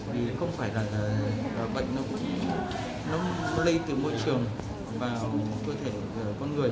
vì không phải là bệnh nó cũng lây từ môi trường vào cơ thể con người